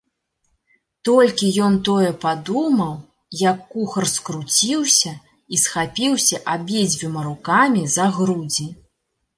Толькі ён тое падумаў, як кухар скруціўся і схапіўся абедзвюма рукамі за грудзі.